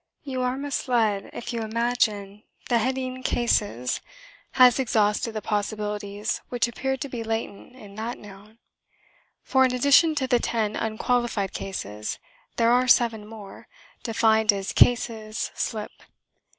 You are misled if you imagine that the heading "Cases" has exhausted the possibilities which appeared to be latent in that noun; for, in addition to the ten unqualified "Cases" there are seven more, defined as "Cases, slip."